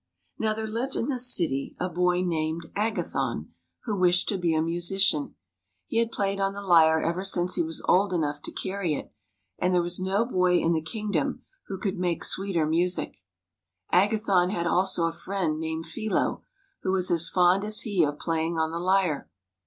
Now there lived in the city a boy named Agathon, who wished to be a musician. He had played on the lyre ever since he was old enough to carry it, and there was no boy in the kingdom who could make sweeter music. Agathon had also a friend named Philo, who was as fond as he of playing on the lyre.